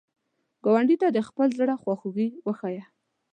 ګاونډي ته د خپل زړه خواخوږي وښایه